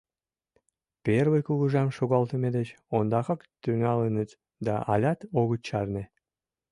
Первый кугыжам шогалтыме деч ондакак тӱҥалыныт да алят огыт чарне.